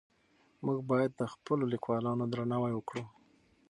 موږ باید د خپلو لیکوالانو درناوی وکړو.